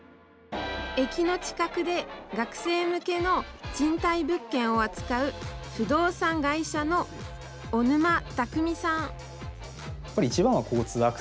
駅の近くで学生向けの賃貸物件を扱う不動産会社の小沼匠さん。